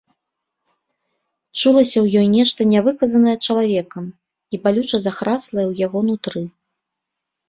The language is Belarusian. Чулася ў ёй нешта нявыказанае чалавекам і балюча захраслае ў яго нутры.